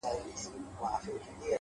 دا سپك هنر نه دى چي څوك يې پــټ كړي ـ